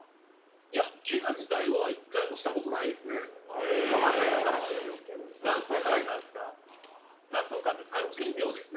いや、けが自体は１回もしたことないですね。